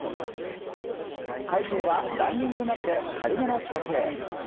大勢は、ランニングなどで軽めの調整。